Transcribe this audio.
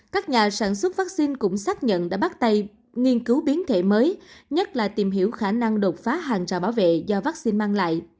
các nhà sản xuất vaccine cũng xác nhận đã bắt tay nghiên cứu biến thể mới nhất là tìm hiểu khả năng đột phá hàng trào bảo vệ do vaccine mang lại